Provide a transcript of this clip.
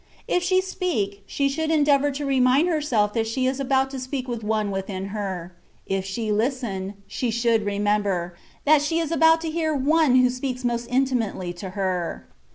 If she speak, she should endeavour to remind herself that she is about to speak with one within her; if she listen, she shoidd remember. 144 THE WAY OF PERFECTION. that slie is about to liear One who speaks most intimately to her.